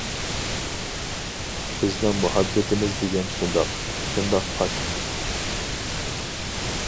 بىزنىڭ مۇھەببىتىمىز دېگەن شۇنداق. شۇنداق پاك!